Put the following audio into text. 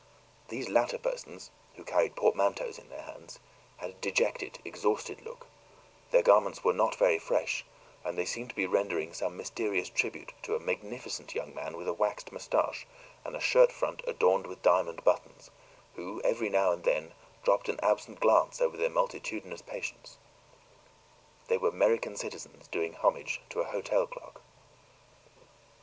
These latter persons, who carried portmanteaus in their hands, had a dejected, exhausted look; their garments were not very fresh, and they seemed to be rendering some mysterious tribute to a magnificent young man with a waxed mustache, and a shirtfront adorned with diamond buttons, who every now and then dropped an absent glance over their multitudinous patience. They were American citizens doing homage to a hotel clerk.